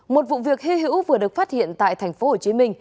một vụ việc hy hữu vừa được phát hiện tại tp hcm